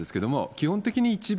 基本的に一番